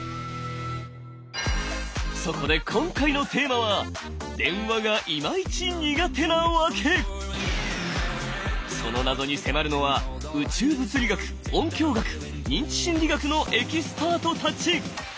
そこで今回のテーマはその謎に迫るのは宇宙物理学音響学認知心理学のエキスパートたち！